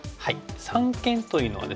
三間というのはですね。